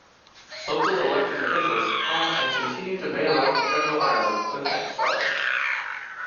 Local elected officials had and continue to bail out Jungle Island with tax dollars.